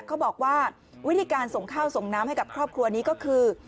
เขาบอกว่าวิธีการส่งข้าวส่งน้ำให้กับครอบครัวนี้ก็คือ